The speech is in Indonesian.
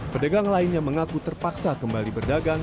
pedagang lainnya mengaku terpaksa kembali berdagang